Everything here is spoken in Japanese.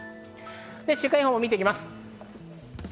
週間予報を見ていきます。